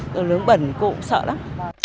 đồ nướng bẩn cô cũng sợ lắm